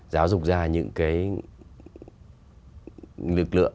giáo dục ra những cái lực lượng